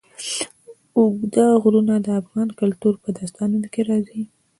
اوږده غرونه د افغان کلتور په داستانونو کې راځي.